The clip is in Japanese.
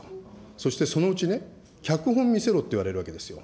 そしてそのうちね、脚本見せろって言われるわけですよ。